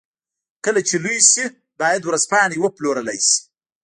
کله چې لوی شي بايد ورځپاڼې وپلورلای شي.